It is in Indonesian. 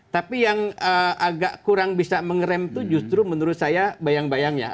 tapi yang agak kurang bisa mengerem itu justru menurut saya bayang bayangnya